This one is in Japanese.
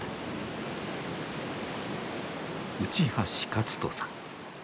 内橋克人さん。